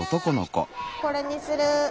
これにする。